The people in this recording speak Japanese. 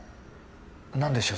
何でしょう？